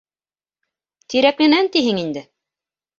Тирәкленән тиһең инде?